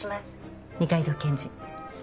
二階堂検事。